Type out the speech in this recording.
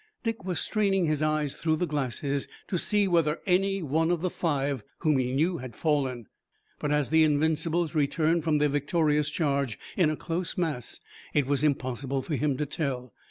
Dick was straining his eyes through the glasses to see whether any one of the five whom he knew had fallen, but as the Invincibles returned from their victorious charge in a close mass it was impossible for him to tell.